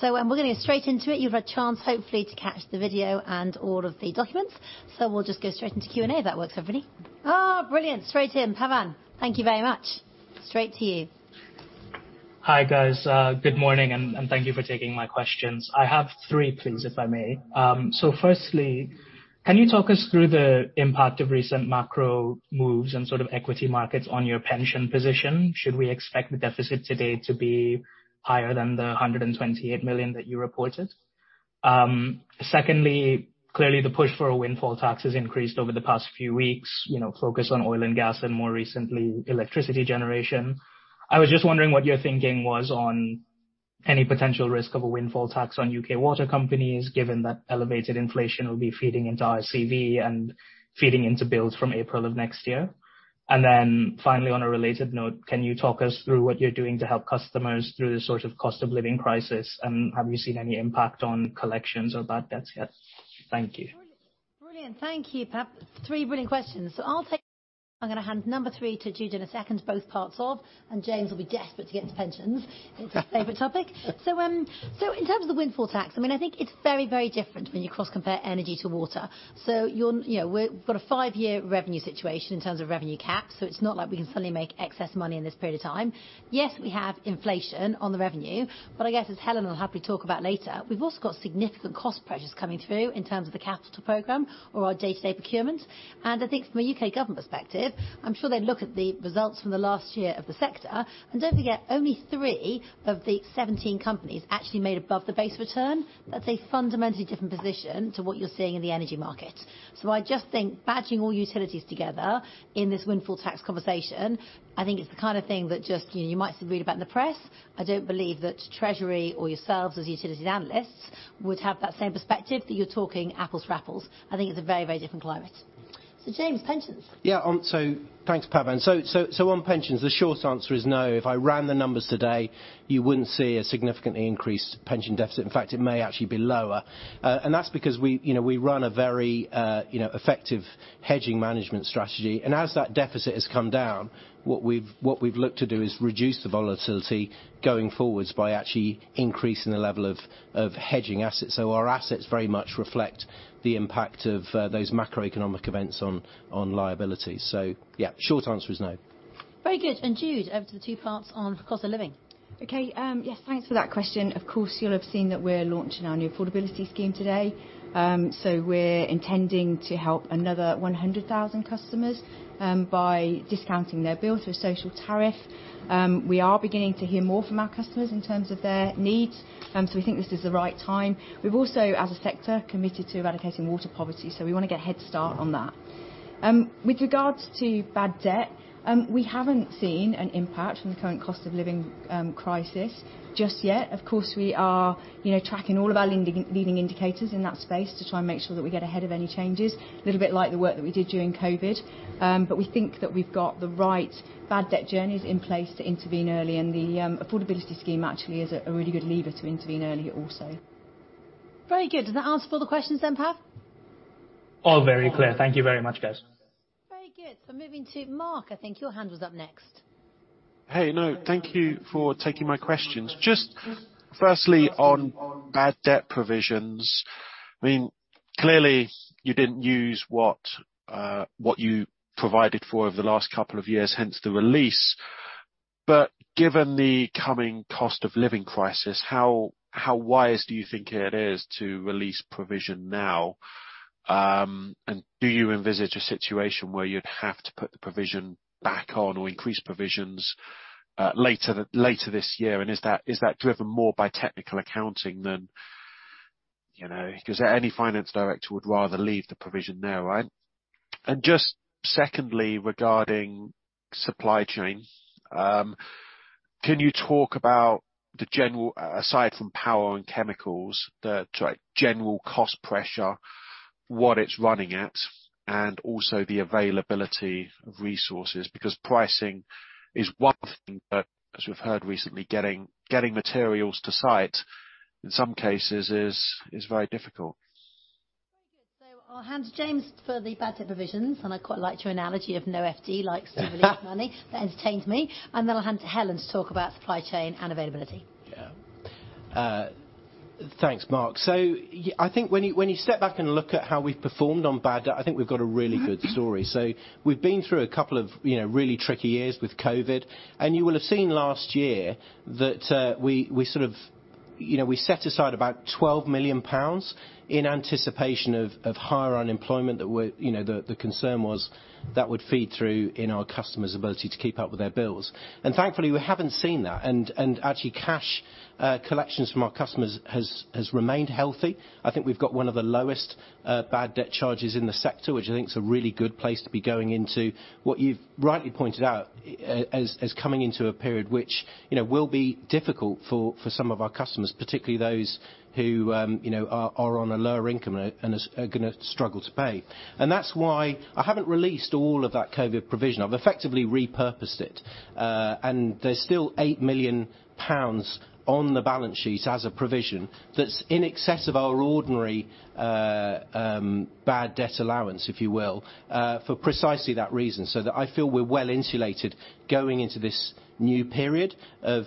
We're gonna get straight into it. You've had a chance, hopefully, to catch the video and all of the documents. We'll just go straight into Q&A, if that works for everybody. Brilliant. Straight in. Pavan, thank you very much. Straight to you. Hi, guys. Good morning, and thank you for taking my questions. I have three, please, if I may. Firstly, can you talk us through the impact of recent macro moves and sort of equity markets on your pension position? Should we expect the deficit today to be higher than the 128 million that you reported? Secondly, clearly the push for a windfall tax has increased over the past few weeks, you know, focused on oil and gas and more recently, electricity generation. I was just wondering what your thinking was on any potential risk of a windfall tax on U.K. water companies, given that elevated inflation will be feeding into our RCV and feeding into bills from April of next year. Finally, on a related note, can you talk us through what you're doing to help customers through this sort of cost of living crisis, and have you seen any impact on collections or bad debts yet? Thank you. Brilliant. Thank you, Pav. Three brilliant questions. I'll take number one. I'm gonna hand number three to Jude in a second, both parts of, and James will be desperate to get to pensions. It's his favorite topic. In terms of the windfall tax, I mean, I think it's very, very different when you cross compare energy to water. You know, we've got a five-year revenue situation in terms of revenue cap, so it's not like we can suddenly make excess money in this period of time. Yes, we have inflation on the revenue, but I guess, as Helen will happily talk about later, we've also got significant cost pressures coming through in terms of the capital program or our day-to-day procurement. I think from a U.K. Government perspective, I'm sure they'd look at the results from the last year of the sector, and don't forget, only three of the 17 companies actually made above the base return. That's a fundamentally different position to what you're seeing in the energy market. I just think batching all utilities together in this windfall tax conversation, I think it's the kind of thing that just, you know, you might read about in the press. I don't believe that Treasury or yourselves, as utilities analysts, would have that same perspective, that you're talking apples to apples. I think it's a very, very different climate. James, pensions. Yeah. Thanks, Pavan. On pensions, the short answer is no. If I ran the numbers today, you wouldn't see a significantly increased pension deficit. In fact, it may actually be lower. And that's because we, you know, we run a very, you know, effective hedging management strategy. And as that deficit has come down, what we've looked to do is reduce the volatility going forwards by actually increasing the level of hedging assets. Our assets very much reflect the impact of those macroeconomic events on liabilities. Yeah, short answer is no. Very good. Jude, over to the two parts on cost of living. Okay, yes. Thanks for that question. Of course, you'll have seen that we're launching our new affordability scheme today. We're intending to help another 100,000 customers by discounting their bill through a social tariff. We are beginning to hear more from our customers in terms of their needs, so we think this is the right time. We've also, as a sector, committed to eradicating water poverty, so we wanna get a head start on that. With regards to bad debt, we haven't seen an impact from the current cost of living crisis just yet. Of course, we are, you know, tracking all of our leading indicators in that space to try and make sure that we get ahead of any changes, little bit like the work that we did during COVID. We think that we've got the right bad debt journeys in place to intervene early, and the affordability scheme actually is a really good lever to intervene early also. Very good. Does that answer all the questions then, Pav? All very clear. Thank you very much, guys. Very good. Moving to Mark, I think your hand was up next. Hey. No, thank you for taking my questions. Just firstly, on bad debt provisions, I mean, clearly you didn't use what you provided for over the last couple of years, hence the release. Given the coming cost of living crisis, how wise do you think it is to release provision now? And do you envisage a situation where you'd have to put the provision back on or increase provisions later this year? Is that driven more by technical accounting than, you know? Cause any finance director would rather leave the provision there, right? Just secondly, regarding supply chain, can you talk about the general, aside from power and chemicals, like, general cost pressure, what it's running at, and also the availability of resources? Because pricing is one thing, but as we've heard recently, getting materials to site in some cases is very difficult. Very good. I'll hand to James for the bad debt provisions, and I quite liked your analogy of no FD likes to release money. That entertained me. I'll hand to Helen to talk about supply chain and availability. Yeah. Thanks, Mark. I think when you step back and look at how we've performed on bad debt, I think we've got a really good story. We've been through a couple of you know really tricky years with COVID. You will have seen last year that we sort of you know we set aside about 12 million pounds in anticipation of higher unemployment that would you know the concern was that would feed through in our customers' ability to keep up with their bills. Thankfully, we haven't seen that. Actually cash collections from our customers has remained healthy. I think we've got one of the lowest bad debt charges in the sector, which I think is a really good place to be going into, what you've rightly pointed out as coming into a period which, you know, will be difficult for some of our customers, particularly those who, you know, are on a lower income and are gonna struggle to pay. That's why I haven't released all of that COVID provision. I've effectively repurposed it. There's still 8 million pounds on the balance sheet as a provision that's in excess of our ordinary bad debt allowance, if you will, for precisely that reason. That I feel we're well-insulated going into this new period of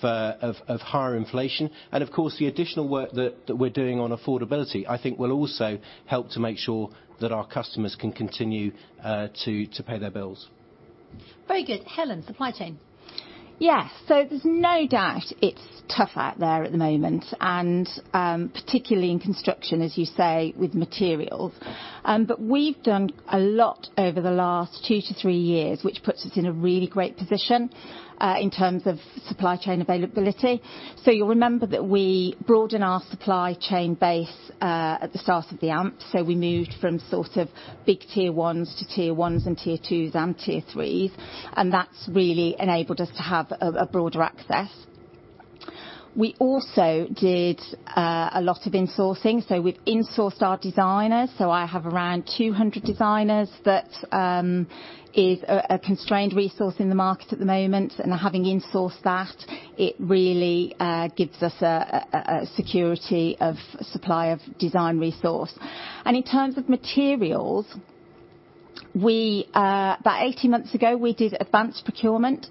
higher inflation. Of course, the additional work that we're doing on affordability, I think will also help to make sure that our customers can continue to pay their bills. Very good. Helen, supply chain. Yes. There's no doubt it's tough out there at the moment, and, particularly in construction, as you say, with materials. We've done a lot over the last 2-3 years, which puts us in a really great position, in terms of supply chain availability. You'll remember that we broadened our supply chain base, at the start of the AMP. We moved from sort of big Tier 1 to Tier 1 and tier twos and tier threes, and that's really enabled us to have a broader access. We also did a lot of insourcing, so we've insourced our designers. I have around 200 designers that is a constrained resource in the market at the moment. Having insourced that, it really gives us a security of supply of design resource. In terms of materials, about 18 months ago, we did advanced procurement.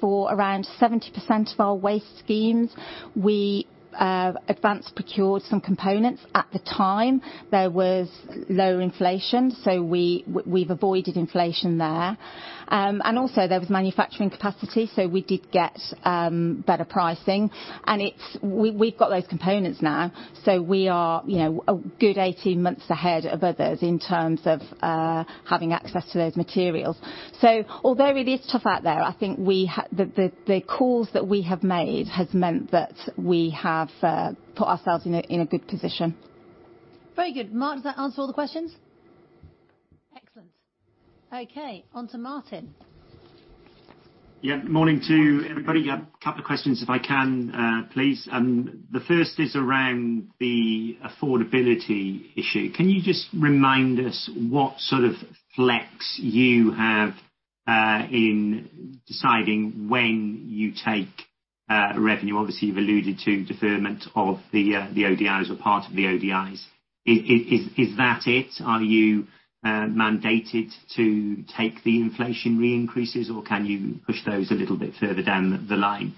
For around 70% of our waste schemes, we advanced procured some components. At the time, there was low inflation, so we've avoided inflation there. There was manufacturing capacity, so we did get better pricing. We've got those components now, so we are, you know, a good 18 months ahead of others in terms of having access to those materials. Although it is tough out there, I think the calls that we have made has meant that we have put ourselves in a good position. Very good. Martin, does that answer all the questions? Excellent. Okay, on to Martin. Good morning to you, everybody. A couple of questions if I can, please. The first is around the affordability issue. Can you just remind us what sort of flex you have in deciding when you take revenue? Obviously, you've alluded to deferment of the ODIs or part of the ODIs. Is that it? Are you mandated to take the inflation re-increases or can you push those a little bit further down the line?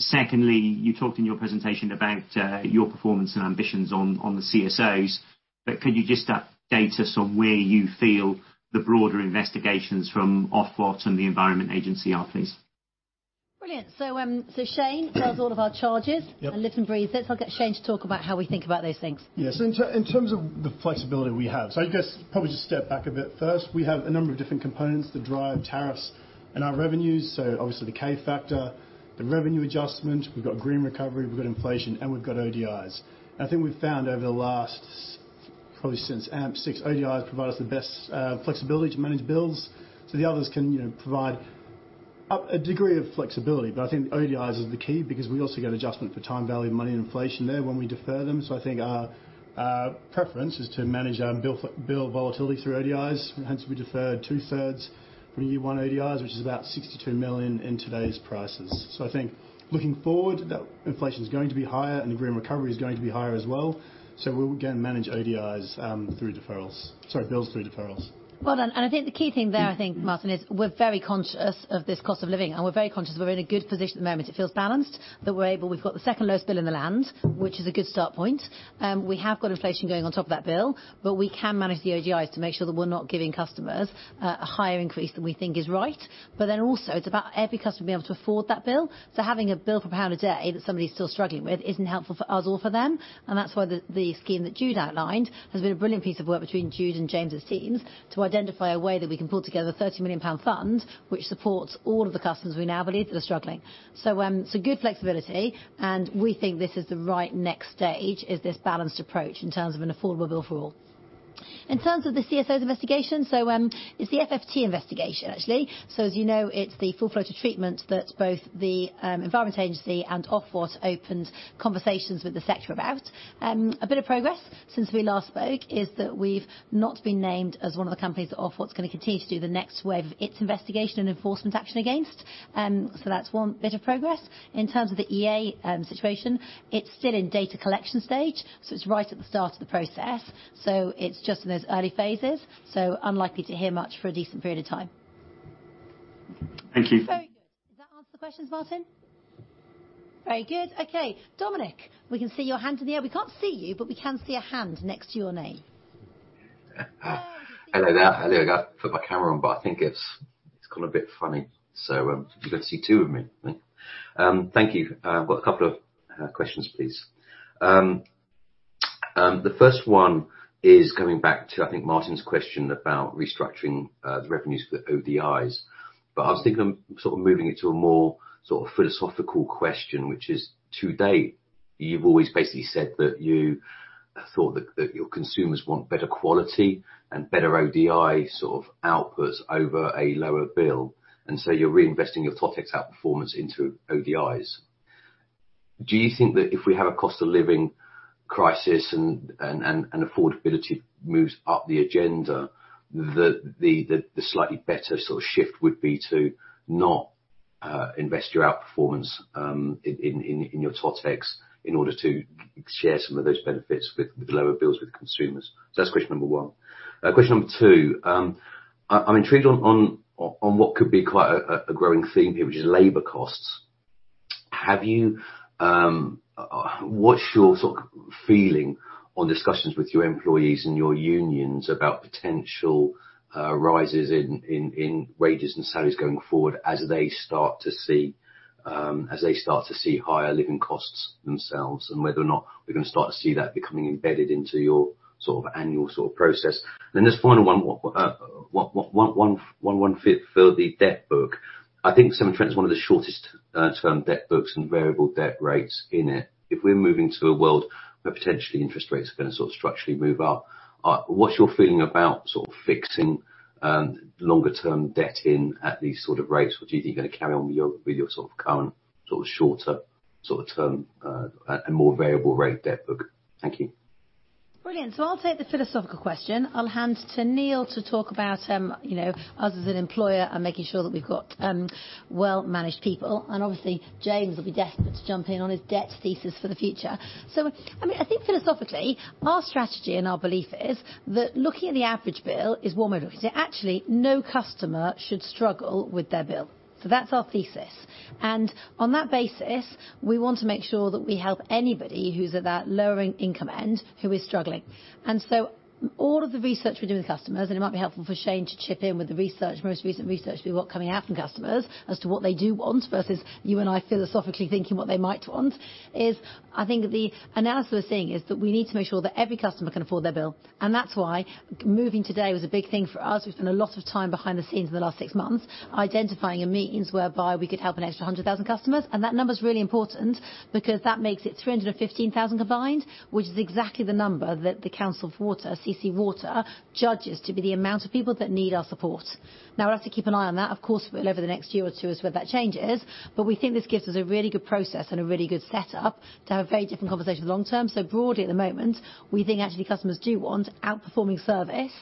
Secondly, you talked in your presentation about your performance and ambitions on the CSOs. Could you just update us on where you feel the broader investigations from Ofwat and the Environment Agency are, please? Brilliant. Shane tells all of our charges. Yep. Live and breathe. Let's get Shane to talk about how we think about those things. Yes. In terms of the flexibility we have, I guess probably just step back a bit first. We have a number of different components that drive tariffs and our revenues, so obviously the K factor, the revenue adjustment. We've got green recovery, we've got inflation, and we've got ODIs. I think we've found over the last, probably since AMP6, ODIs provide us the best flexibility to manage bills. The others can, you know, provide a degree of flexibility. I think ODIs is the key because we also get adjustment for time, value, money, and inflation there when we defer them. I think our preference is to manage our bill volatility through ODIs, hence we deferred 2/3 from the year one ODIs, which is about 62 million in today's prices. I think looking forward, that inflation is going to be higher and the Green Recovery is going to be higher as well. We'll again manage bills through deferrals. Well done. I think the key thing there, I think, Martin, is we're very conscious of this cost of living, and we're very conscious we're in a good position at the moment. It feels balanced. We've got the second lowest bill in the land, which is a good start point. We have got inflation going on top of that bill, but we can manage the ODIs to make sure that we're not giving customers a higher increase than we think is right. Then also it's about every customer being able to afford that bill. Having a bill for GBP 1 a day that somebody's still struggling with isn't helpful for us or for them. That's why the scheme that Jude outlined has been a brilliant piece of work between Jude and James' teams to identify a way that we can pull together a 30 million pound fund which supports all of the customers we now believe that are struggling. Good flexibility, and we think this is the right next stage is this balanced approach in terms of an affordable bill for all. In terms of the CSOs investigation, it's the FFT investigation actually. As you know, it's the full flow to treatment that both the Environment Agency and Ofwat opened conversations with the sector about. A bit of progress since we last spoke is that we've not been named as one of the companies that Ofwat's gonna continue to do the next wave of its investigation and enforcement action against. That's one bit of progress. In terms of the EA situation, it's still in data collection stage, so it's right at the start of the process. It's just in those early phases, so unlikely to hear much for a decent period of time. Thank you. Very good. Does that answer the questions, Martin? Very good. Okay, Dominic, we can see your hand in the air. We can't see you, but we can see a hand next to your name. Hello there. I know I got to put my camera on, but I think it's gone a bit funny, so you're going to see two of me. Thank you. I've got a couple of questions, please. The first one is coming back to, I think, Martin's question about restructuring the revenues for the ODIs. I was thinking of sort of moving it to a more sort of philosophical question, which is, to date, you've always basically said that you thought that your consumers want better quality and better ODI sort of outputs over a lower bill. You're reinvesting your TOTEX outperformance into ODIs. Do you think that if we have a cost of living crisis and affordability moves up the agenda, that the slightly better sort of shift would be to not invest your outperformance in your TOTEX in order to share some of those benefits with lower bills with consumers? So that's question number one. Question number two. I'm intrigued on what could be quite a growing theme here, which is labor costs. Have you, what's your sort of feeling on discussions with your employees and your unions about potential rises in wages and salaries going forward as they start to see higher living costs themselves, and whether or not we're gonna start to see that becoming embedded into your sort of annual sort of process? Just final one for the debt book. I think Severn Trent is one of the shortest term debt books and variable debt rates in it. If we're moving to a world where potentially interest rates are gonna sort of structurally move up, what's your feeling about sort of fixing longer term debt in at these sort of rates? Do you think you're gonna carry on with your sort of current sort of shorter sort of term and more variable rate debt book? Thank you. Brilliant. I'll take the philosophical question. I'll hand to Neil to talk about, you know, us as an employer and making sure that we've got, well-managed people. Obviously James will be desperate to jump in on his debt thesis for the future. I mean, I think philosophically, our strategy and our belief is that looking at the average bill is what we're doing. Actually, no customer should struggle with their bill. That's our thesis. On that basis, we want to make sure that we help anybody who's at that lower income end who is struggling. All of the research we do with customers, and it might be helpful for Shane to chip in with the research, most recent research with what coming out from customers as to what they do want versus you and I philosophically thinking what they might want, is I think the analysis we're seeing is that we need to make sure that every customer can afford their bill. That's why moving today was a big thing for us. We've spent a lot of time behind the scenes in the last six months identifying in meetings whereby we could help an extra 100,000 customers. That number is really important because that makes it 315,000 combined, which is exactly the number that the Consumer Council for Water, CCW, judges to be the amount of people that need our support. Now, we'll have to keep an eye on that. Of course, over the next year or two is where that change is. We think this gives us a really good process and a really good setup to have very different conversations long-term. Broadly at the moment, we think actually customers do want out-performing service,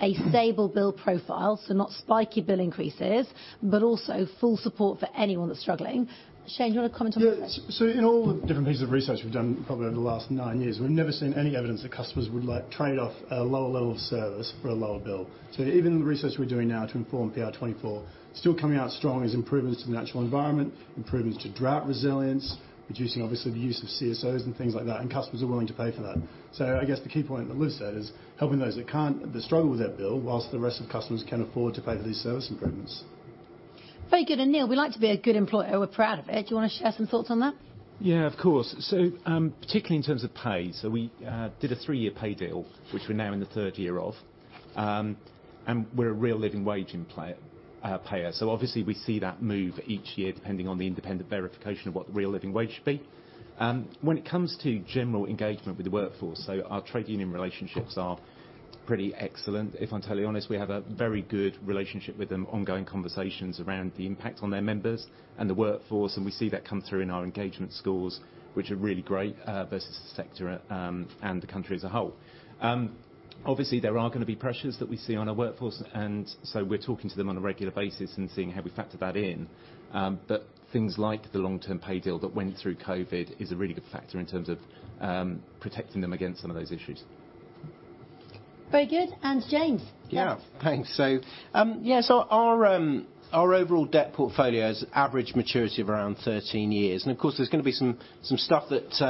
a stable bill profile, so not spiky bill increases, but also full support for anyone that's struggling. Shane, do you want to comment on that? Yeah. In all the different pieces of research we've done probably over the last nine years, we've never seen any evidence that customers would like trade off a lower level of service for a lower bill. Even the research we're doing now to inform PR24, still coming out strong as improvements to the natural environment, improvements to drought resilience, reducing obviously the use of CSOs and things like that, and customers are willing to pay for that. I guess the key point that Liz said is helping those that struggle with their bill while the rest of the customers can afford to pay for these service improvements. Very good. Neil, we like to be a good employer. We're proud of it. Do you wanna share some thoughts on that? Yeah, of course. Particularly in terms of pay, so we did a three-year pay deal, which we're now in the third year of. We're a Real Living Wage employer, payer. Obviously we see that move each year depending on the independent verification of what the Real Living Wage should be. When it comes to general engagement with the workforce, so our trade union relationships are pretty excellent. If I'm totally honest, we have a very good relationship with them, ongoing conversations around the impact on their members and the workforce, and we see that come through in our engagement scores, which are really great, versus the sector, and the country as a whole. Obviously there are gonna be pressures that we see on our workforce, and so we're talking to them on a regular basis and seeing how we factor that in. Things like the long-term pay deal that went through COVID is a really good factor in terms of protecting them against some of those issues. Very good. James. Yeah. Thanks. Yes, our overall debt portfolio is average maturity of around 13 years. Of course, there's gonna be some stuff that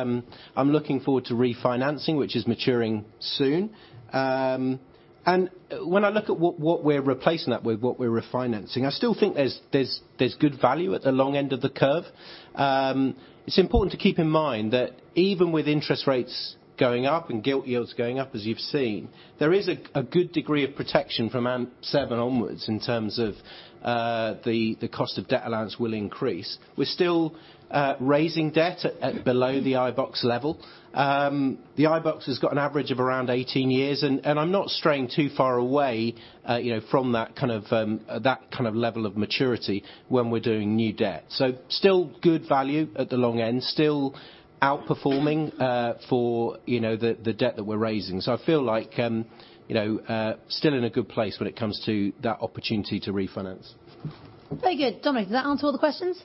I'm looking forward to refinancing, which is maturing soon. When I look at what we're replacing that with, what we're refinancing, I still think there's good value at the long end of the curve. It's important to keep in mind that even with interest rates going up and gilt yields going up, as you've seen, there is a good degree of protection from AMP7 onwards in terms of the cost of debt allowance will increase. We're still raising debt at below the iBoxx level. The iBoxx has got an average of around 18 years, and I'm not straying too far away, you know, from that kind of level of maturity when we're doing new debt. Still good value at the long end, still outperforming, for you know, the debt that we're raising. I feel like, you know, still in a good place when it comes to that opportunity to refinance. Very good. Dominic, does that answer all the questions?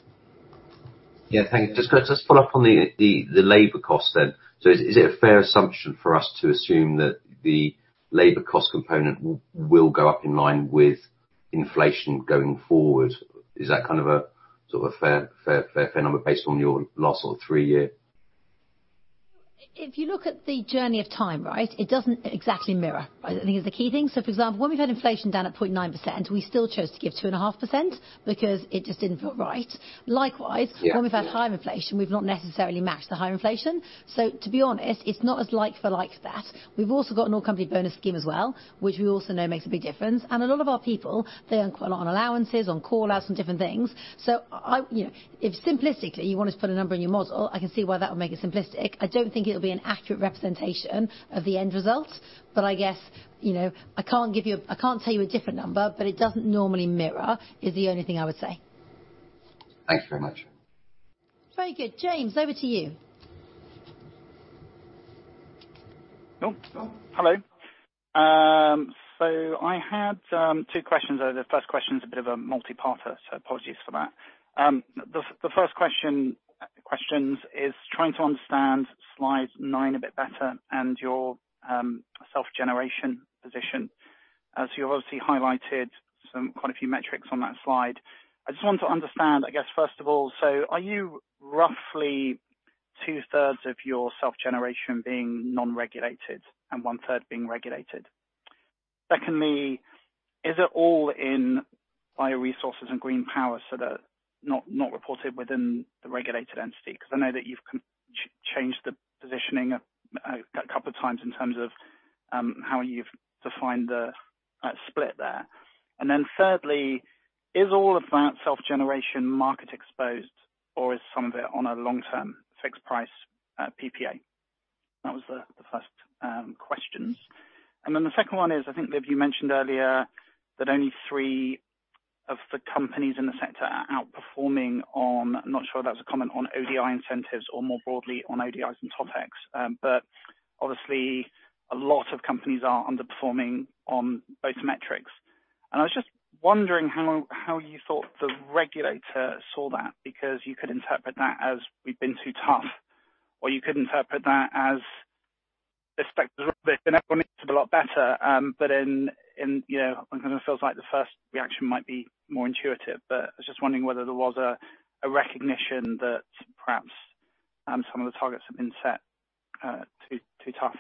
Yeah. Thank you. Just to follow up on the labor cost then. Is it a fair assumption for us to assume that the labor cost component will go up in line with inflation going forward? Is that kind of a sort of a fair number based on your last sort of three-year? If you look at the journey of time, right, it doesn't exactly mirror. Right. I think it's the key thing. For example, when we've had inflation down at 0.9%, we still chose to give 2.5% because it just didn't feel right. Likewise. Yeah. Yeah when we've had higher inflation, we've not necessarily matched the higher inflation. To be honest, it's not as like for like that. We've also got an all-company bonus scheme as well, which we also know makes a big difference. A lot of our people, they earn quite a lot on allowances, on call-outs, on different things. You know, if simplistically, you want us to put a number in your model, I can see why that would make it simplistic. I don't think it'll be an accurate representation of the end result, but I guess, you know, I can't tell you a different number, but it doesn't normally mirror, is the only thing I would say. Thanks very much. Very good. James, over to you. Hello. I had two questions. The first question is a bit of a multiparter, so apologies for that. The first question is trying to understand slide nine a bit better and your self-generation position. As you obviously highlighted some quite a few metrics on that slide. I just want to understand, I guess, first of all, so are you roughly 2/3 of your self-generation being non-regulated and 1/3 being regulated? Secondly, is it all in BioResources and Green Power, so they're not reported within the regulated entity? I know that you've changed the positioning a couple times in terms of how you've defined the split there. Thirdly, is all of that self-generation market exposed or is some of it on a long-term fixed price PPA? That was the first question. The second one is, I think, Liv, you mentioned earlier that only three of the companies in the sector are outperforming on. I'm not sure if that's a comment on ODI incentives or more broadly on ODIs and TOTEX. But obviously a lot of companies are underperforming on both metrics. I was just wondering how you thought the regulator saw that, because you could interpret that as we've been too tough, or you could interpret that as this sector a lot better, but in you know, it kind of feels like the first reaction might be more intuitive. I was just wondering whether there was a recognition that perhaps some of the targets have been set too tough.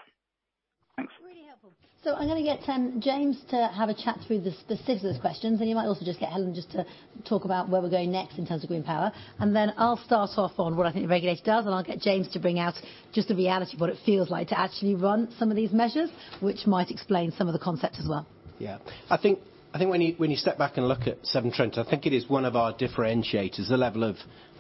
Thanks. Really helpful. I'm gonna get James to have a chat through the specifics of those questions, and you might also just get Helen just to talk about where we're going next in terms of green power. I'll start off on what I think the regulator does, and I'll get James to bring out just the reality of what it feels like to actually run some of these measures, which might explain some of the concepts as well. Yeah. I think when you step back and look at Severn Trent, I think it is one of our differentiators, the level of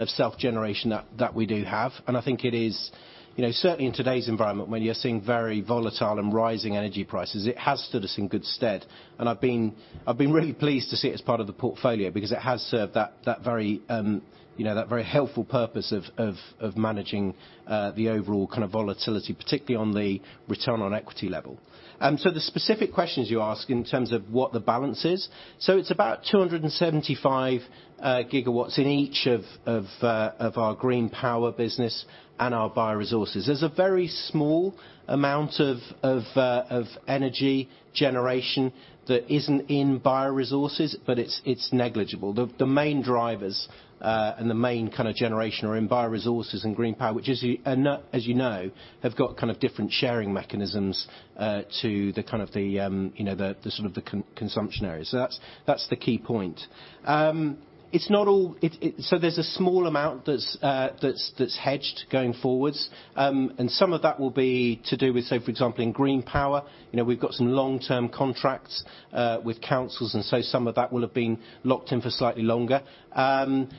self-generation that we do have. I think it is, you know, certainly in today's environment, when you're seeing very volatile and rising energy prices, it has stood us in good stead. I've been really pleased to see it as part of the portfolio because it has served that very helpful purpose of managing the overall kind of volatility, particularly on the return on equity level. So the specific questions you ask in terms of what the balance is, so it's about 275 gigawatts in each of our green power business and our BioResources. There's a very small amount of energy generation that isn't in BioResources, but it's negligible. The main drivers and the main kinda generation are in BioResources and green power, which, as you know, have got kind of different sharing mechanisms to the kind of consumption area. That's the key point. It's not all. There's a small amount that's hedged going forwards. Some of that will be to do with, say, for example, in green power, you know, we've got some long-term contracts with councils, and some of that will have been locked in for slightly longer. In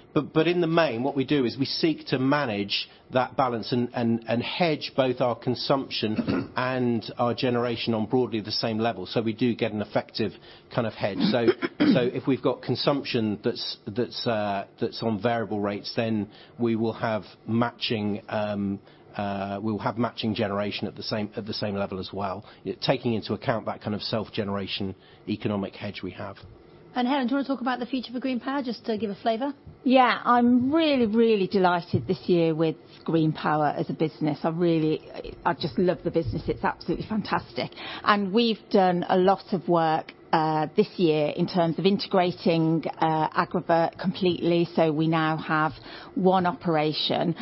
the main, what we do is we seek to manage that balance and hedge both our consumption and our generation on broadly the same level. We do get an effective kind of hedge. If we've got consumption that's on variable rates, then we will have matching generation at the same level as well, taking into account that kind of self-generation economic hedge we have. Helen, do you wanna talk about the future for Green Power, just to give a flavor? Yeah. I'm really, really delighted this year with Green Power as a business. I really, I just love the business. It's absolutely fantastic. We've done a lot of work this year in terms of integrating Agrivert completely, so we now have one operation.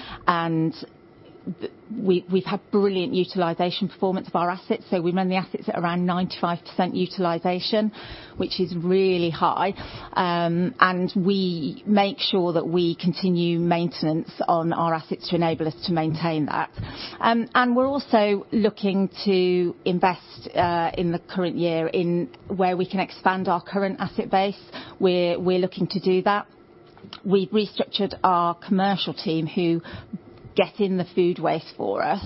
We've had brilliant utilization performance of our assets. We man the assets at around 95% utilization, which is really high. We make sure that we continue maintenance on our assets to enable us to maintain that. We're also looking to invest in the current year in where we can expand our current asset base. We're looking to do that. We've restructured our commercial team, who get in the food waste for us,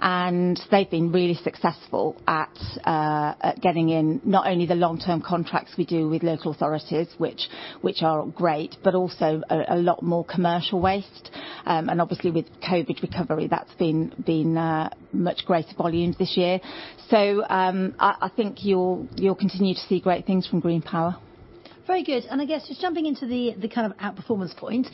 and they've been really successful at getting in not only the long-term contracts we do with local authorities, which are great, but also a lot more commercial waste. Obviously with COVID recovery, that's been much greater volumes this year. I think you'll continue to see great things from Green Power. Very good. I guess just jumping into the kind of outperformance point,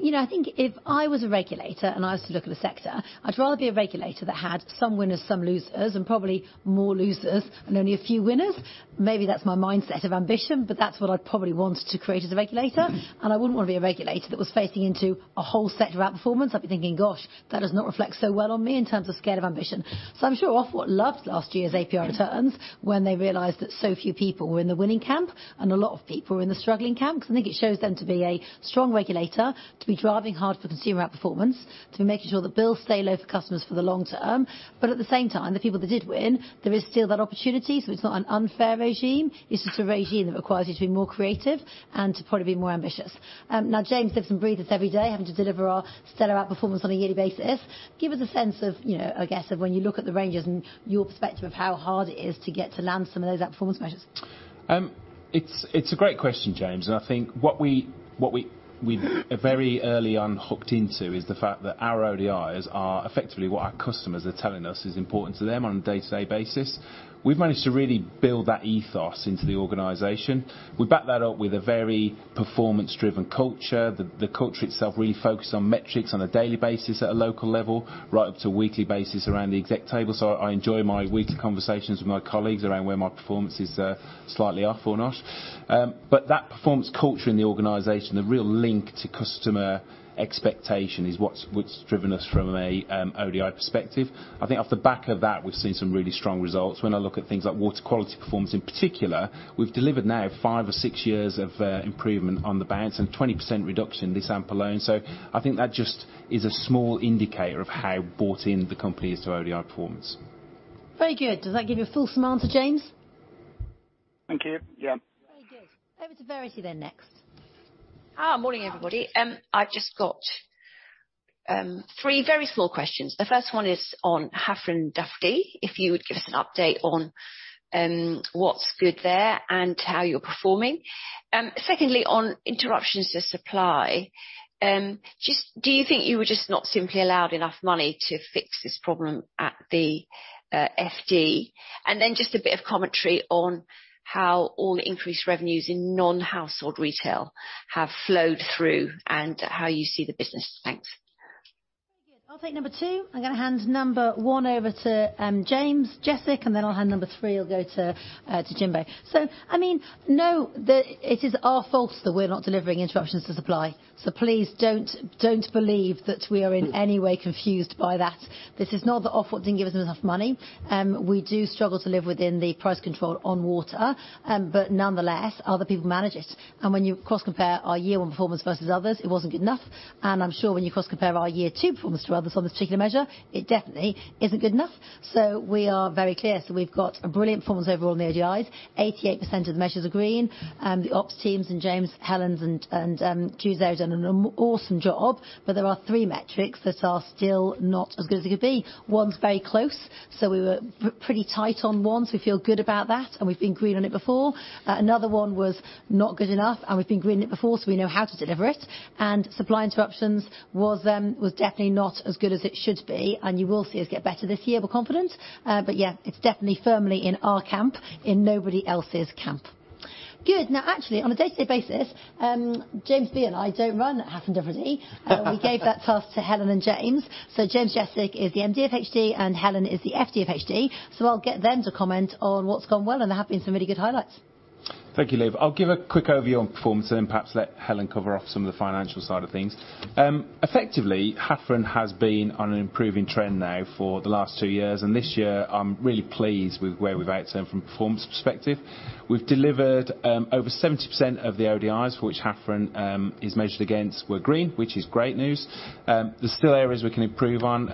you know, I think if I was a regulator and I was to look at the sector, I'd rather be a regulator that had some winners, some losers, and probably more losers and only a few winners. Maybe that's my mindset of ambition, but that's what I'd probably want to create as a regulator, and I wouldn't wanna be a regulator that was facing into a whole sector outperformance. I'd be thinking, Gosh, that does not reflect so well on me in terms of scale of ambition. I'm sure of what loved last year's APR returns when they realized that so few people were in the winning camp and a lot of people were in the struggling camp, cause I think it shows them to be a strong regulator, to be driving hard for consumer outperformance, to be making sure that bills stay low for customers for the long term. At the same time, the people that did win, there is still that opportunity, so it's not an unfair regime. It's just a regime that requires you to be more creative and to probably be more ambitious. Now, James lives and breathes this every day, having to deliver our stellar outperformance on a yearly basis. Give us a sense of, you know, I guess of when you look at the ranges and your perspective of how hard it is to get to land some of those outperformance measures. It's a great question, James. I think what we very early on hooked into is the fact that our ODIs are effectively what our customers are telling us is important to them on a day-to-day basis. We've managed to really build that ethos into the organization. We back that up with a very performance-driven culture. The culture itself really focused on metrics on a daily basis at a local level, right up to a weekly basis around the exec table. I enjoy my weekly conversations with my colleagues around where my performance is slightly off or not. That performance culture in the organization, the real link to customer expectation is what's driven us from a ODI perspective. I think off the back of that, we've seen some really strong results. When I look at things like water quality performance in particular, we've delivered now five or six years of improvement on the bounce and 20% reduction in this AMP alone. I think that just is a small indicator of how bought in the company is to ODI performance. Very good. Does that give you a full answer, James? Thank you. Yeah. Very good. Over to Verity then next. Hi, morning, everybody. I've just got three very small questions. The first one is on Hafren Dyfrdwy, if you would give us an update on what's good there and how you're performing. Secondly, on interruptions to supply, just do you think you were just not simply allowed enough money to fix this problem at the FD? Just a bit of commentary on how all the increased revenues in non-household retail have flowed through and how you see the business. Thanks. Very good. I'll take number two. I'm gonna hand number one over to James Jesic, and then I'll hand number three will go to James Bowling. It is our fault that we're not delivering interruptions to supply. Please don't believe that we are in any way confused by that. This is not the Ofwat didn't give us enough money. We do struggle to live within the price control on water, but nonetheless, other people manage it. When you cross-compare our year one performance versus others, it wasn't good enough, and I'm sure when you cross-compare our year two performance to others on this particular measure, it definitely isn't good enough. We are very clear. We've got a brilliant performance overall on the ODIs. 88% of the measures are green. The ops teams and James, Helen, and Jude have done an awesome job, but there are three metrics that are still not as good as it could be. One's very close, so we were pretty tight on one, so we feel good about that, and we've been green on it before. Another one was not good enough, and we've been green on it before, so we know how to deliver it. Supply interruptions was definitely not as good as it should be, and you will see us get better this year. We're confident. But yeah, it's definitely firmly in our camp, in nobody else's camp. Good. Now, actually, on a day-to-day basis, James Jesic and I don't run Hafren Dyfrdwy. We gave that task to Helen and James. James Jesic is the MD of HD, and Helen is the FD of HD. I'll get them to comment on what's gone well, and there have been some really good highlights. Thank you, Liv. I'll give a quick overview on performance and then perhaps let Helen cover off some of the financial side of things. Effectively, Hafren has been on an improving trend now for the last two years, and this year I'm really pleased with where we've outturned from a performance perspective. We've delivered over 70% of the ODIs for which Hafren is measured against were green, which is great news. There's still areas we can improve on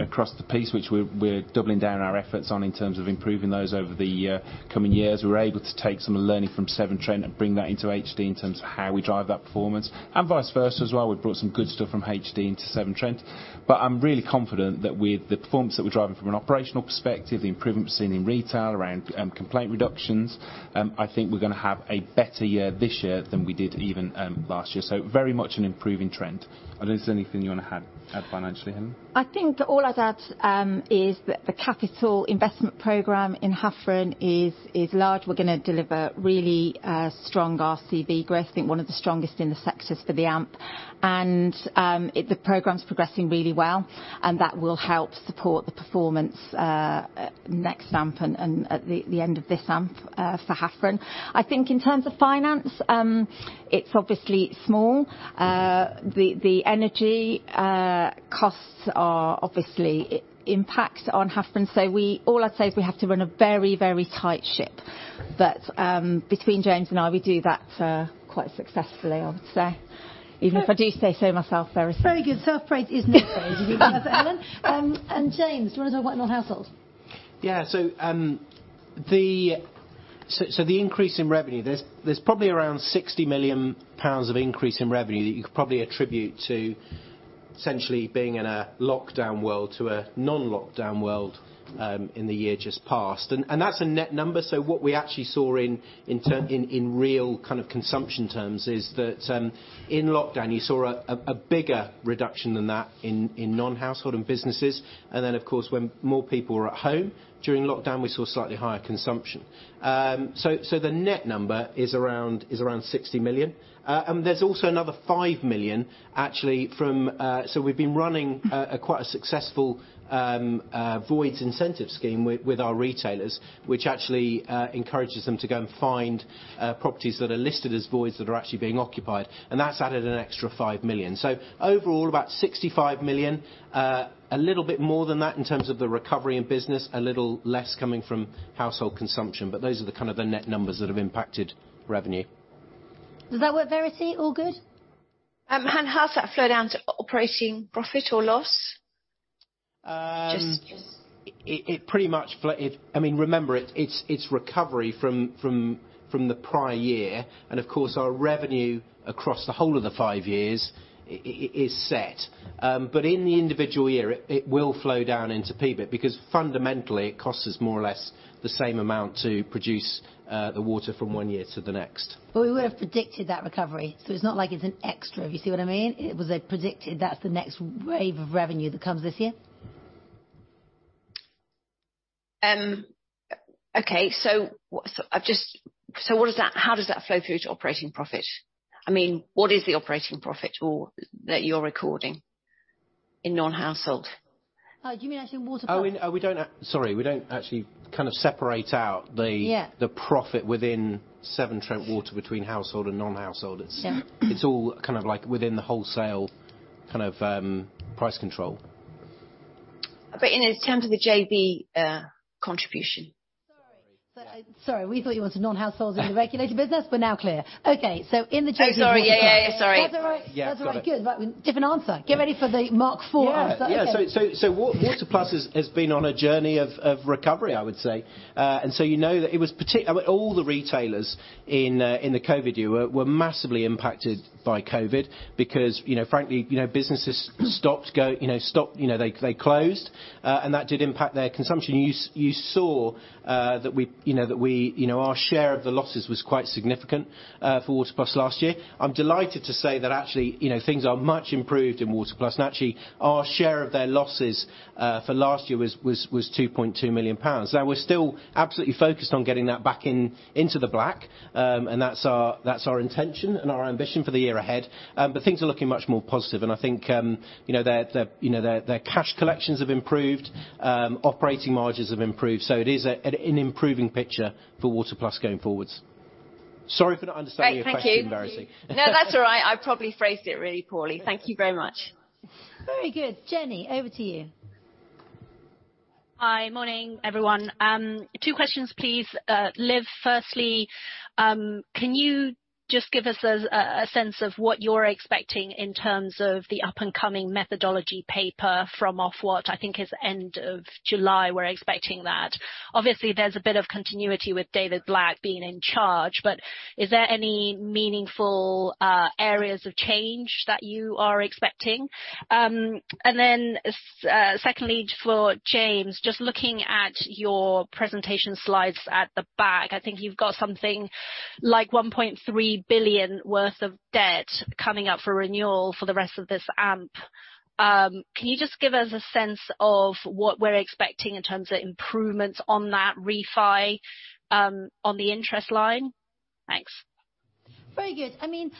across the piece which we're doubling down our efforts on in terms of improving those over the coming years. We're able to take some of the learning from Severn Trent and bring that into HD in terms of how we drive that performance and vice versa as well. We've brought some good stuff from HD into Severn Trent. I'm really confident that with the performance that we're driving from an operational perspective, the improvements seen in retail around, complaint reductions, I think we're gonna have a better year this year than we did even, last year. Very much an improving trend. I don't know if there's anything you wanna add financially, Helen. I think all I'd add is that the capital investment program in Hafren is large. We're gonna deliver really strong RCV growth, I think one of the strongest in the sector for the AMP. The program's progressing really well, and that will help support the performance next AMP and at the end of this AMP for Hafren. I think in terms of finance, it's obviously small. The energy costs are obviously impacting Hafren. All I'd say is we have to run a very tight ship. Between James and I, we do that quite successfully, I would say. Even if I do say so myself, Verity. Very good. Self-praise is no praise as you know, Helen. James, do you wanna talk about non-household? Yeah. The increase in revenue, there's probably around 60 million pounds of increase in revenue that you could probably attribute to essentially being in a lockdown world to a non-lockdown world, in the year just past. That's a net number, so what we actually saw in real kind of consumption terms is that, in lockdown, you saw a bigger reduction than that in non-household and businesses. Of course, when more people were at home during lockdown, we saw slightly higher consumption. The net number is around 60 million. There's also another 5 million actually from... We've been running a quite successful voids incentive scheme with our retailers, which actually encourages them to go and find properties that are listed as voids that are actually being occupied, and that's added an extra 5 million. Overall, about 65 million, a little bit more than that in terms of the recovery in business, a little less coming from household consumption, but those are the kind of the net numbers that have impacted revenue. Does that work, Verity? All good? How does that flow down to operating profit or loss? I mean, remember it's recovery from the prior year, and of course our revenue across the whole of the five years is set. In the individual year, it will flow down into EBIT because fundamentally it costs us more or less the same amount to produce the water from one year to the next. We would've predicted that recovery, so it's not like it's an extra. You see what I mean? It was a predicted, that's the next wave of revenue that comes this year. Okay. How does that flow through to operating profit? I mean, what is the operating profit or that you're recording in non-household? Do you mean actually Water Plus? We don't actually kind of separate out the Yeah the profit within Severn Trent Water between household and non-household. Yeah. It's all kind of like within the wholesale kind of price control. In terms of the JV contribution. Sorry. Sorry, we thought you went to non-households in the regulated business, but now clear. Okay. In the JV- Oh, sorry. Yeah, sorry. That's all right. Yeah, sorry. That's all right. Good. Right. Different answer. Get ready for the mark four answer. Okay. Water Plus has been on a journey of recovery, I would say. You know that it was particularly all the retailers in the COVID era were massively impacted by COVID because, you know, frankly, you know, businesses stopped. You know, they closed. That did impact their consumption. You saw that we, you know, our share of the losses was quite significant for Water Plus last year. I'm delighted to say that actually, you know, things are much improved in Water Plus, and actually our share of their losses for last year was 2.2 million pounds. Now, we're still absolutely focused on getting that back in, into the black, and that's our intention and our ambition for the year ahead. Things are looking much more positive and I think, you know, their cash collections have improved, operating margins have improved, so it is an improving picture for Water Plus going forwards. Sorry for not understanding your question, Verity. Thank you. No, that's all right. I probably phrased it really poorly. Thank you very much. Very good. Jenny, over to you. Hi. Morning, everyone. Two questions, please, Liv, firstly, can you just give us a sense of what you're expecting in terms of the upcoming methodology paper from Ofwat? I think it's end of July we're expecting that. Obviously, there's a bit of continuity with David Black being in charge, but is there any meaningful areas of change that you are expecting? Secondly for James, just looking at your presentation slides at the back, I think you've got something like 1.3 billion worth of debt coming up for renewal for the rest of this AMP. Can you just give us a sense of what we're expecting in terms of improvements on that refi, on the interest line? Thanks. Very good. I mean,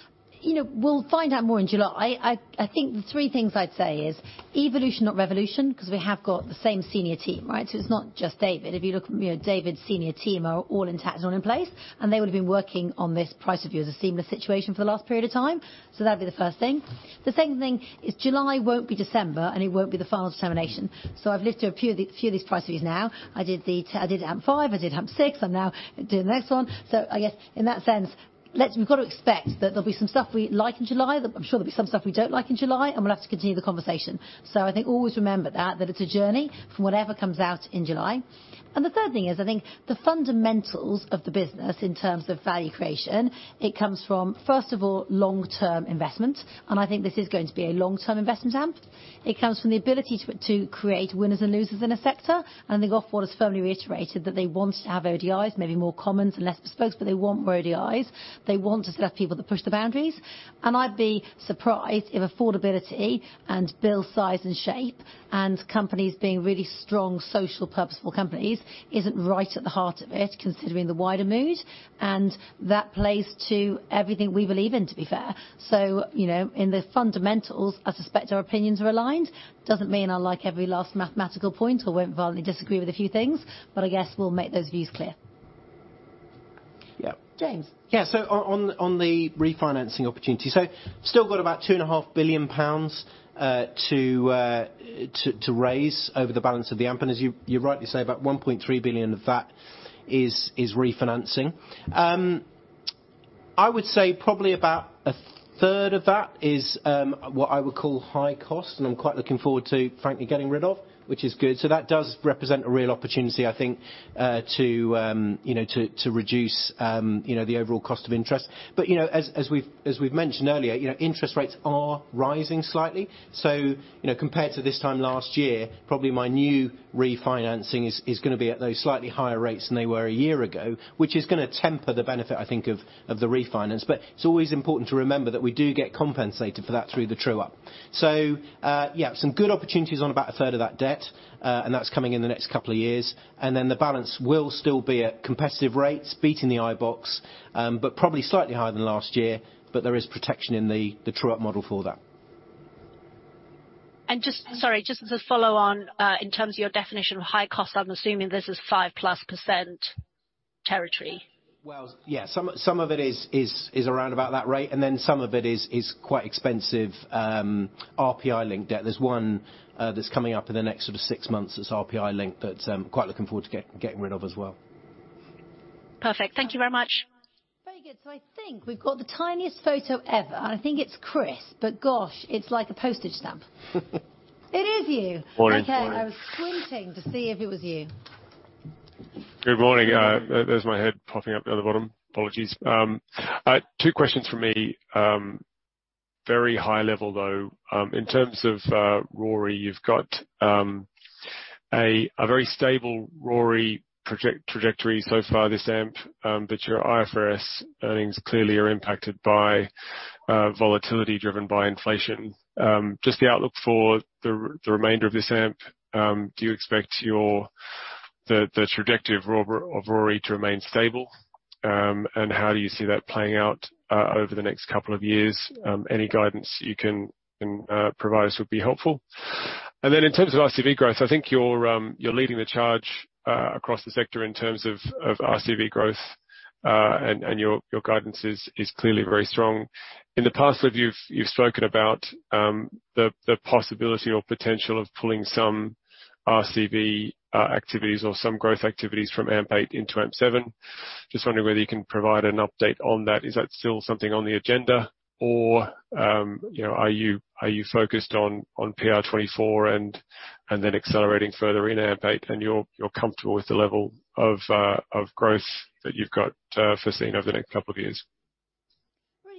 you know, we'll find out more in July. I think the three things I'd say is evolution, not revolution, cause we have got the same senior team, right? It's not just David. If you look, you know, David's senior team are all intact and all in place, and they would've been working on this price review as a seamless situation for the last period of time. That'd be the first thing. The second thing is July won't be December, and it won't be the final determination. I've lived through a few of these price reviews now. I did AMP 5, I did AMP 6, I'm now doing the next one. I guess in that sense, we've got to expect that there'll be some stuff we like in July. I'm sure there'll be some stuff we don't like in July, and we'll have to continue the conversation. I think always remember that it's a journey from whatever comes out in July. The third thing is I think the fundamentals of the business in terms of value creation, it comes from, first of all, long-term investment, and I think this is going to be a long-term investment AMP. It comes from the ability to create winners and losers in a sector, and I think of what has firmly reiterated that they want to have ODIs, maybe more commons and less be-spokes, but they want more ODIs. They want to select people that push the boundaries. I'd be surprised if affordability and bill size and shape, and companies being really strong social purposeful companies isn't right at the heart of it, considering the wider mood. That plays to everything we believe in, to be fair. You know, in the fundamentals, I suspect our opinions are aligned. Doesn't mean I'll like every last mathematical point or won't violently disagree with a few things, but I guess we'll make those views clear. Yeah. James. Yeah. On the refinancing opportunity. Still got about 2.5 billion pounds to raise over the balance of the AMP. As you rightly say, about 1.3 billion of that is refinancing. I would say probably about a third of that is what I would call high cost, and I'm quite looking forward to, frankly, getting rid of, which is good. That does represent a real opportunity, I think, to you know, to reduce you know, the overall cost of interest. You know, as we've mentioned earlier, you know, interest rates are rising slightly. You know, compared to this time last year, probably my new refinancing is gonna be at those slightly higher rates than they were a year ago, which is gonna temper the benefit, I think, of the refinance. It's always important to remember that we do get compensated for that through the true-up. Yeah, some good opportunities on about a third of that debt, and that's coming in the next couple of years. Then the balance will still be at competitive rates, beating the iBoxx, but probably slightly higher than last year. There is protection in the true-up model for that. Sorry, just as a follow on, in terms of your definition of high cost, I'm assuming this is 5%+ territory. Well, yeah. Some of it is around about that rate, and then some of it is quite expensive, RPI-linked debt. There's one that's coming up in the next sort of six months that's RPI-linked that I'm quite looking forward to getting rid of as well. Perfect. Thank you very much. Very good. I think we've got the tiniest photo ever. I think it's Chris, but gosh, it's like a postage stamp. It is you. Morning, morning. Okay. I was squinting to see if it was you. Good morning. There's my head popping up the other bottom. Apologies. Two questions from me. Very high level, though. In terms of RoRE, you've got a very stable RoRE trajectory so far this AMP, but your IFRS earnings clearly are impacted by volatility driven by inflation. Just the outlook for the remainder of this AMP. Do you expect the trajectory of RoREF to remain stable? And how do you see that playing out over the next couple of years? Any guidance you can provide us would be helpful. In terms of RCV growth, I think you're leading the charge across the sector in terms of RCV growth, and your guidance is clearly very strong. In the past, Liv, you've spoken about the possibility or potential of pulling some RCV activities or some growth activities from AMP 8 into AMP 7. Just wondering whether you can provide an update on that. Is that still something on the agenda or, you know, are you focused on PR24 and then accelerating further in AMP 8, and you're comfortable with the level of growth that you've got foreseen over the next couple of years?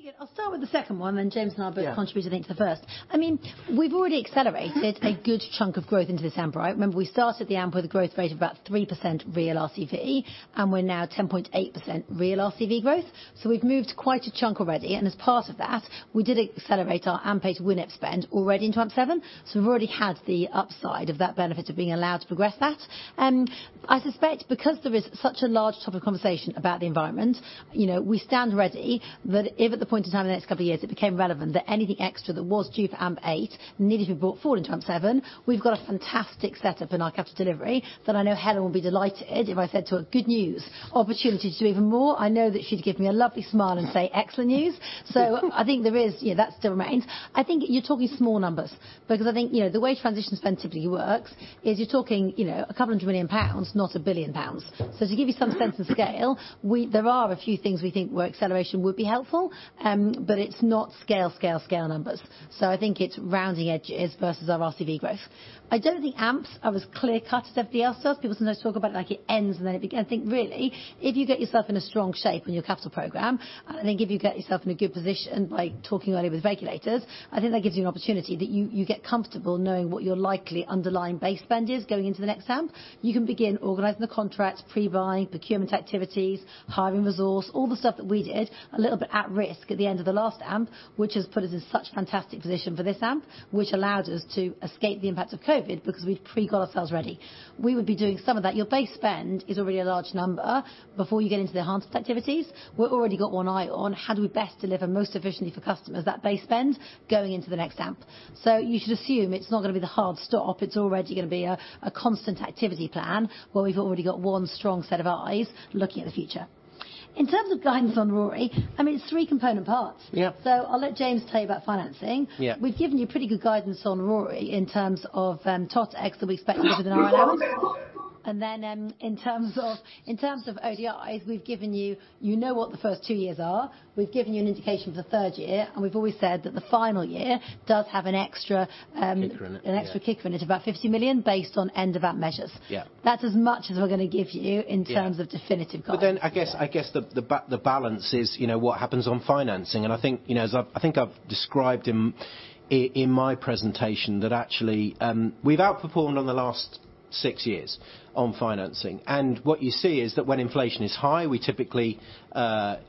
Very good. I'll start with the second one, then James and I. Yeah. Both contribute, I think, to the first. I mean, we've already accelerated a good chunk of growth into this AMP, right. Remember, we started the AMP with a growth rate of about 3% real RCV, and we're now 10.8% real RCV growth. We've moved quite a chunk already, and as part of that, we did accelerate our AMP8 WINEP spend already into AMP7. We've already had the upside of that benefit of being allowed to progress that. I suspect because there is such a large topic of conversation about the environment, you know, we stand ready that if at the point in time in the next couple of years, it became relevant that anything extra that was due for AMP 8 needed to be brought forward into AMP 7, we've got a fantastic setup in our capital delivery that I know Helen will be delighted if I said to her, Good news. Opportunity to do even more. I know that she'd give me a lovely smile and say, Excellent news. I think there is. Yeah, that still remains. I think you're talking small numbers because I think, you know, the way transition spend typically works is you're talking, you know, 2 million pounds, not 1 billion pounds. To give you some sense of scale, there are a few things we think where acceleration would be helpful, but it's not scale numbers. I think it's rounding edges versus our RCV growth. I don't think AMPs are as clear-cut as everybody else does. People sometimes talk about it like it ends, and then it begins. I think really, if you get yourself in a strong shape in your capital program, and I think if you get yourself in a good position by talking early with regulators, I think that gives you an opportunity that you get comfortable knowing what your likely underlying base spend is going into the next AMP. You can begin organizing the contracts, pre-buying, procurement activities, hiring resource, all the stuff that we did a little bit at risk at the end of the last AMP, which has put us in such fantastic position for this AMP, which allowed us to escape the impact of COVID because we'd prepped ourselves ready. We would be doing some of that. Your base spend is already a large number before you get into the enhanced activities. We've already got one eye on how do we best deliver most efficiently for customers, that base spend going into the next AMP. You should assume it's not gonna be the hard stop. It's already gonna be a constant activity plan where we've already got one strong set of eyes looking at the future. In terms of guidance on RoRE, I mean, it's three component parts. Yeah. I'll let James tell you about financing. Yeah. We've given you pretty good guidance on RoRE in terms of TOTEX that we expect within our allowance. Then, in terms of ODIs, we've given you. You know what the first two years are. We've given you an indication for the third year, and we've always said that the final year does have an extra. Kicker in it, yeah. an extra kicker in it, about 50 million based on end of AMP measures. Yeah. That's as much as we're gonna give you in terms- Yeah. of definitive guidance. I guess the balance is, you know, what happens on financing, and I think, you know, as I've described in my presentation that actually, we've outperformed on the last six years on financing. What you see is that when inflation is high, we typically,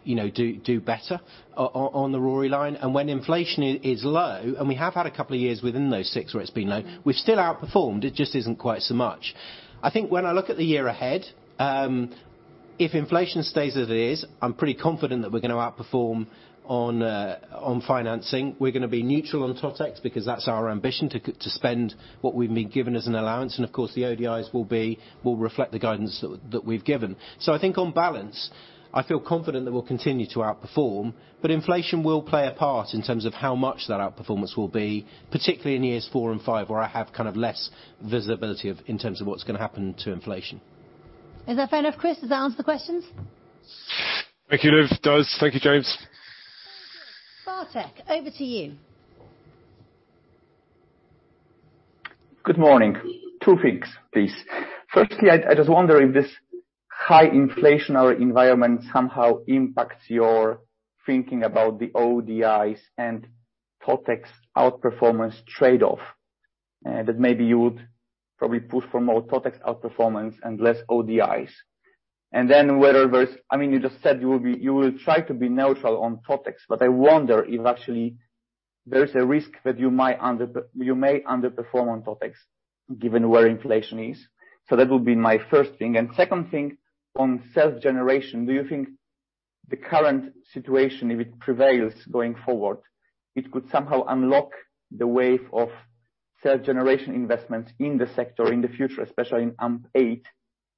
you know, do better on the RoRE line. When inflation is low, and we have had a couple of years within those six where it's been low. Mm. We've still outperformed. It just isn't quite so much. I think when I look at the year ahead, if inflation stays as it is, I'm pretty confident that we're gonna outperform on financing. We're gonna be neutral on TOTEX because that's our ambition, to spend what we've been given as an allowance, and of course, the ODIs will reflect the guidance that we've given. I think on balance, I feel confident that we'll continue to outperform, but inflation will play a part in terms of how much that outperformance will be, particularly in years four and five, where I have kind of less visibility in terms of what's gonna happen to inflation. Is that fair enough, Chris? Does that answer the questions? Thank you, Liv. It does. Thank you, James. Very good. Bartek, over to you. Good morning. Two things, please. Firstly, I just wonder if this high inflationary environment somehow impacts your thinking about the ODIs and TOTEX outperformance trade-off, that maybe you would probably push for more TOTEX outperformance and less ODIs. I mean, you just said you will try to be neutral on TOTEX, but I wonder if actually there is a risk that you may underperform on TOTEX given where inflation is. That would be my first thing. Second thing, on self-generation, do you think the current situation, if it prevails going forward, it could somehow unlock the wave of self-generation investments in the sector in the future, especially in AMP8,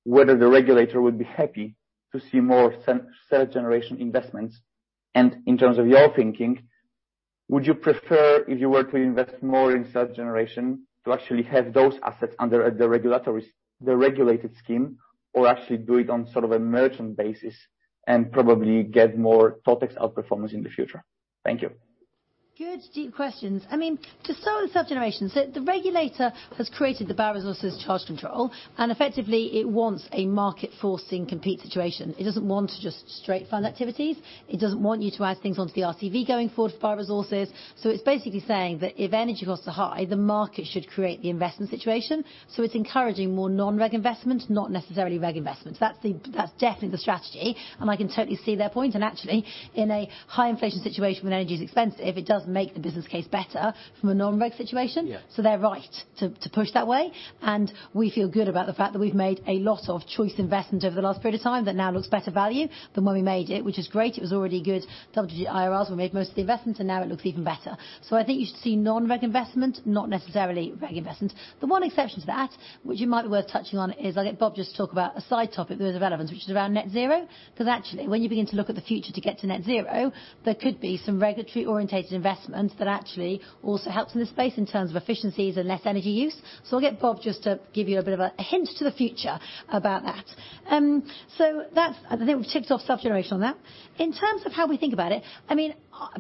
whether the regulator would be happy to see more self-generation investments? In terms of your thinking, would you prefer, if you were to invest more in self-generation, to actually have those assets under a deregulated regime, the regulated scheme or actually do it on sort of a merchant basis and probably get more TOTEX outperformance in the future? Thank you. Good deep questions. I mean, to solar self-generation, the regulator has created the BioResources charge control, and effectively it wants a market-forcing competitive situation. It doesn't want to just straight fund activities. It doesn't want you to add things onto the RCV going forward for BioResources. It's basically saying that if energy costs are high, the market should create the investment situation. It's encouraging more non-reg investments, not necessarily reg investments. That's definitely the strategy, and I can totally see their point. Actually, in a high inflation situation when energy is expensive, it does make the business case better from a non-reg situation. Yeah. They're right to push that way, and we feel good about the fact that we've made a lot of chosen investment over the last period of time that now looks better value than when we made it, which is great. It was already good double-digit IRRs when we made most of the investments, and now it looks even better. I think you should see non-reg investment, not necessarily reg investment. The one exception to that, which it might be worth touching on, is I'll let Bob just talk about a side topic that is of relevance, which is around net zero. Because actually, when you begin to look at the future to get to net zero, there could be some regulatory-oriented investments that actually also helps in this space in terms of efficiencies and less energy use. I'll get Bob just to give you a bit of a hint to the future about that. I think we've ticked off self-generation on that. In terms of how we think about it, I mean,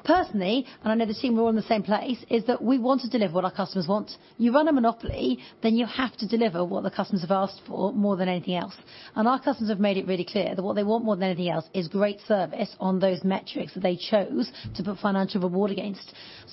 personally, and I know the team are all in the same place, is that we want to deliver what our customers want. You run a monopoly, then you have to deliver what the customers have asked for more than anything else. Our customers have made it really clear that what they want more than anything else is great service on those metrics that they chose to put financial reward against.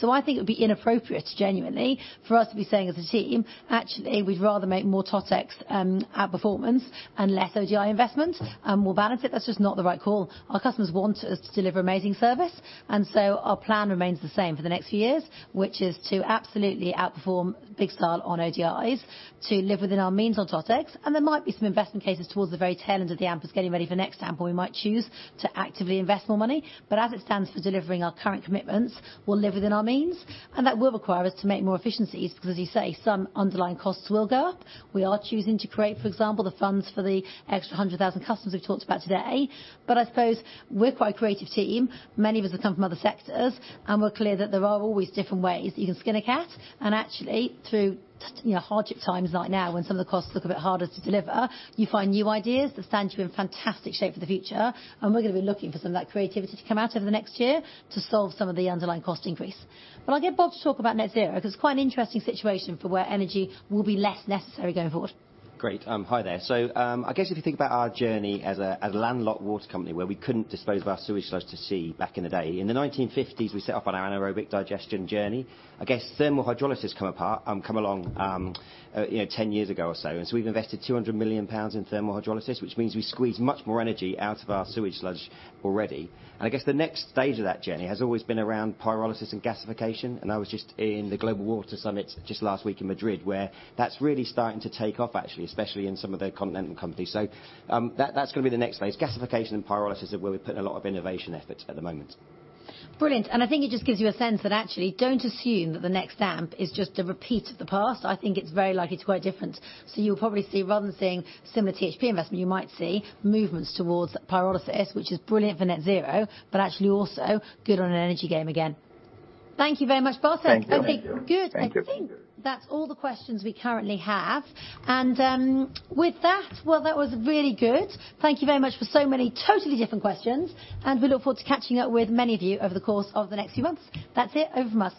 I think it would be inappropriate, genuinely, for us to be saying as a team, Actually, we'd rather make more TOTEX outperformance and less ODI investment, and we'll balance it. That's just not the right call. Our customers want us to deliver amazing service, and so our plan remains the same for the next few years, which is to absolutely outperform big style on ODIs, to live within our means on TOTEX. There might be some investment cases towards the very tail end of the AMP as getting ready for the next AMP where we might choose to actively invest more money. As it stands for delivering our current commitments, we'll live within our means. That will require us to make more efficiencies because, as you say, some underlying costs will go up. We are choosing to create, for example, the funds for the extra 100,000 customers we've talked about today. I suppose we're quite a creative team. Many of us have come from other sectors, and we're clear that there are always different ways that you can skin a cat. Actually, through, you know, hardship times like now when some of the costs look a bit harder to deliver, you find new ideas that stand you in fantastic shape for the future. We're gonna be looking for some of that creativity to come out over the next year to solve some of the underlying cost increase. I'll get Bob to talk about net zero because it's quite an interesting situation for where energy will be less necessary going forward. Great. Hi there. I guess if you think about our journey as a landlocked water company where we couldn't dispose of our sewage sludge to sea back in the day. In the 1950s, we set off on our anaerobic digestion journey. I guess thermal hydrolysis come along, you know, ten years ago or so. We've invested 200 million pounds in thermal hydrolysis, which means we squeeze much more energy out of our sewage sludge already. I guess the next stage of that journey has always been around pyrolysis and gasification. I was just in the Global Water Summit just last week in Madrid, where that's really starting to take off actually, especially in some of the continental companies. That's gonna be the next phase. Gasification and pyrolysis are where we're putting a lot of innovation efforts at the moment. Brilliant. I think it just gives you a sense that actually don't assume that the next AMP is just a repeat of the past. I think it's very likely to work different. You'll probably see rather than seeing similar THP investment, you might see movements towards pyrolysis, which is brilliant for net zero, but actually also good on an energy gain again. Thank you very much, Bob. Thank you. Okay, good. Thank you. I think that's all the questions we currently have. With that, well, that was really good. Thank you very much for so many totally different questions, and we look forward to catching up with many of you over the course of the next few months. That's it. Over and out.